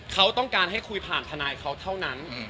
เขาต้องการให้คุยผ่านทนายเขาเท่านั้น